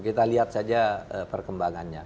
kita lihat saja perkembangannya